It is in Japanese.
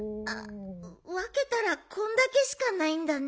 わけたらこんだけしかないんだね。